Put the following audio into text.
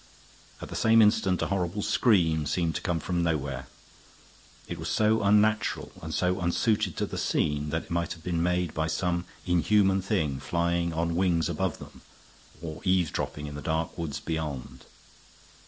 At the same instant a horrible scream seemed to come from nowhere. It was so unnatural and so unsuited to the scene that it might have been made by some inhuman thing flying on wings above them or eavesdropping in the dark woods beyond.